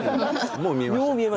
もう見えました。